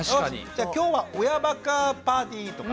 「じゃあ今日は親バカパーティー！」とか。